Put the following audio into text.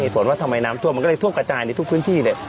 เนี้ยส่วนว่าทำไมน้ำตัวมันก็เลยทั่วกระจายในทุกพื้นที่เลย